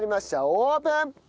オープン！